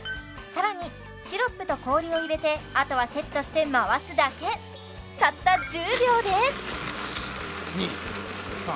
更にシロップと氷を入れてあとはセットして回すだけたった１０秒で１２３４